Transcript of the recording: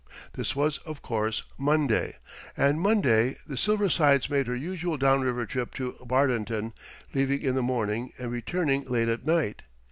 This was, of course, Monday, and Monday the Silver Sides made her usual down river trip to Bardenton, leaving in the morning and returning late at night.